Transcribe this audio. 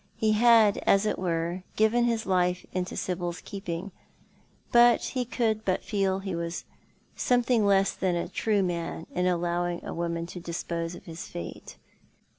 He had, as it were, given his life into Sibyl's keeping, but he could but feel he was something less than a true man in alloMdng a woman to dispose of his fate.